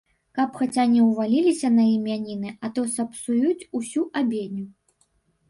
Каб хаця не ўваліліся на імяніны, а то сапсуюць усю абедню.